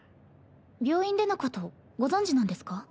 病院でのことご存じなんですか？